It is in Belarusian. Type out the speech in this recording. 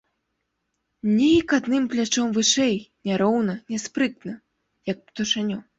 Нейк адным плячом вышэй, няроўна, няспрытна, як птушанё.